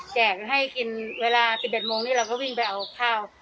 แจกให้กินเวลา๑๑โมงนี้เราก็วิ่งไปเอาข้าว